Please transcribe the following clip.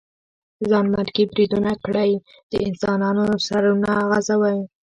ځانمرګي بريدونه کړئ د انسانانو سرونه غوڅوئ.